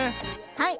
はい。